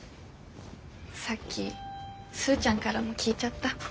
さっきスーちゃんからも聞いちゃった。